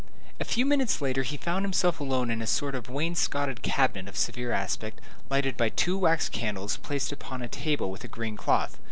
A few minutes later he found himself alone in a sort of wainscoted cabinet of severe aspect, lighted by two wax candles, placed upon a table with a green cloth.